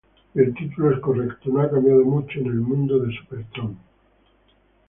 Y el título es correcto: no ha cambiado mucho en el mundo de Supertramp.